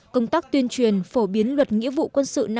công tác tuyên truyền phổ biến luật nghĩa vụ quân sự năm hai nghìn một mươi